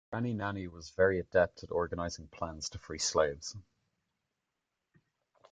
Granny Nanny was very adept at organizing plans to free slaves.